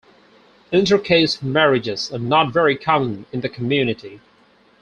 Inter-caste marriages are not very common in the community.